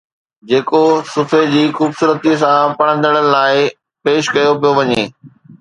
جيڪو صفحي جي خوبصورتي سان پڙهندڙن لاءِ پيش ڪيو پيو وڃي